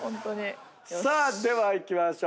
さあではいきましょう。